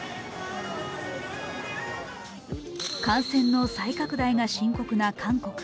感染の再拡大が深刻な韓国。